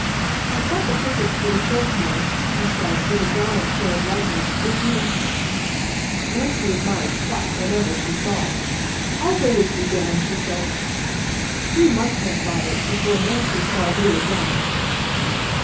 "I've got the tickets for the show to night," he said, with a gallant show of lightness. "If you—" Nancy admired pluck whenever she saw it. "I'll go with you, Dan," she said. Three months went by before Nancy saw Lou again.